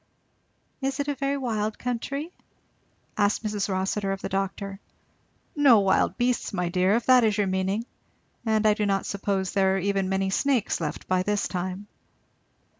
"Is it a very wild country?" asked Mrs. Rossitur of the doctor. "No wild beasts, my dear, if that is your meaning, and I do not suppose there are even many snakes left by this time."